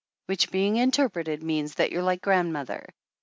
"Which, being interpreted, means that you're like grandmother.